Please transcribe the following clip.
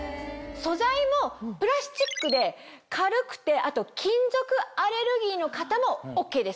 素材もプラスチックで軽くてあと金属アレルギーの方もＯＫです。